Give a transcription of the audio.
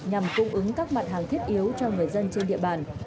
nhằm cung ứng các mặt hàng thiết yếu cho người dân trên địa bàn